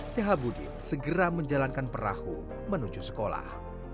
sehabudin segera menjalankan perahu menuju sekolah